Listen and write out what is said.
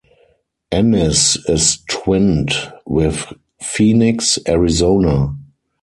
Ennis is twinned with Phoenix, Arizona.